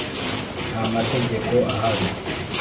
Ntamategeko ahari.